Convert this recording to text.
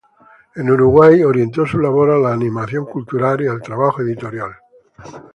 En Uruguay, orientó su labor a la animación cultural y al trabajo editorial.